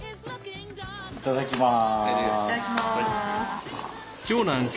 いただきます。